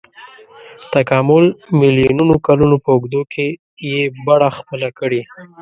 تکامل میلیونونو کلونو په اوږدو کې یې بڼه خپله کړې.